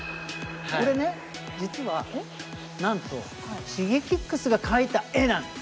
これね実はなんとＳｈｉｇｅｋｉｘが描いた絵なんです！